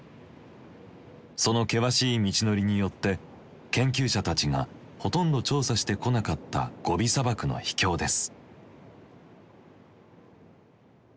その険しい道のりによって研究者たちがほとんど調査してこなかったゴビ砂漠の秘境です。